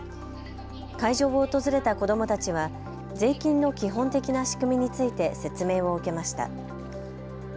会場を訪れた子どもたちは税金の基本的な仕組みについて説明を受けました。